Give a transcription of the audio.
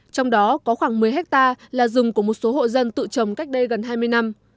trong đó có khoảng một mươi hectare là rừng của một số hộ dân tự trồng cách đây gần hai mươi năm